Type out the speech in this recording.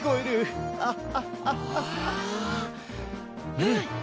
うん！